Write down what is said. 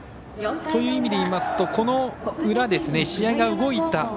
という意味で言いますとこの裏試合が動いた